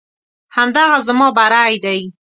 همدغه زما بری دی.